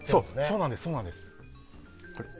そうなんです。